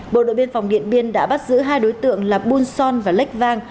bộ đội biên phòng điện biên đã bắt giữ hai đối tượng là bun son và lách vang